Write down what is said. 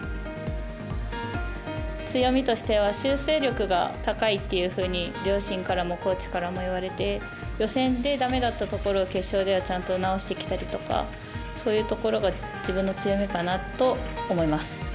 強みとしては修正力が高いっていうふうに両親からもコーチからも言われて予選でだめだったところを決勝ではちゃんと直していったりとかそういうところが自分の強みかなと思います。